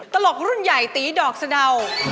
ตลกรุ่นใหญ่ตีดอกสะดาว